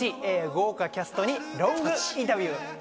豪華キャストにロングインタビュー。